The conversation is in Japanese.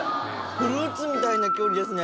フルーツみたいなきゅうりですね。